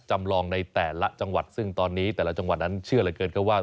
จำลองในแต่ละจังหวัดซึ่งตอนนี้แต่ละจังหวัดนั้นเชื่อเหลือเกินก็ว่า